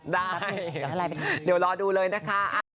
ได้เดี๋ยวรอดูเลยนะคะ